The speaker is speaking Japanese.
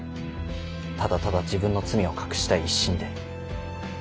ただただ自分の罪を隠したい一心で。